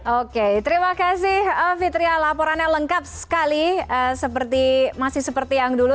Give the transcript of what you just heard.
oke terima kasih fitriah laporannya lengkap sekali masih seperti yang dulu